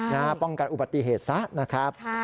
นะฮะป้องกันอุบัติเหตุซะนะครับ